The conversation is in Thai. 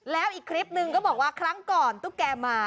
แล้วอีกคลิปนึงก็บอกว่าครั้งก่อนตุ๊กแกมา